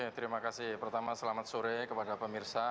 terima kasih pertama selamat sore kepada pemirsa